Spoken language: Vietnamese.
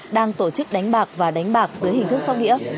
đang tổ chức đánh bạc và đánh bạc dưới hình thức sóc đĩa